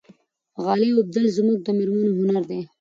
غالۍ اوبدل زموږ د مېرمنو هنر دی.